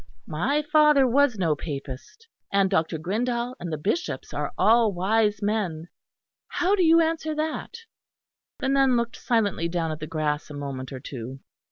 My father was no Papist; and Dr. Grindal and the Bishops are all wise men. How do you answer that?" The nun looked silently down at the grass a moment or two.